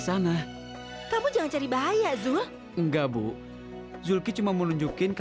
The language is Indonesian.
sampai jumpa di video selanjutnya